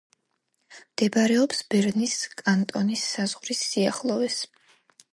მდებარეობს ბერნის კანტონის საზღვრის სიახლოვეს.